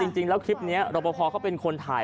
จริงแล้วคลิปนี้รบพอเขาเป็นคนถ่าย